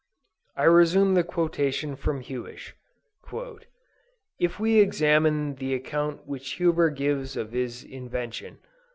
I resume the quotation from Huish; "If we examine the account which Huber gives of his invention